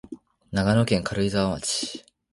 長野県軽井沢町